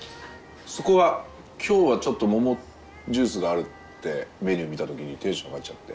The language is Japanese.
そこは今日はちょっと桃ジュースがあるってメニュー見た時にテンション上がっちゃって。